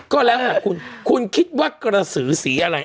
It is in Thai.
ก็แล้วแต่คุณคุณคิดว่ากระสือสีอะไร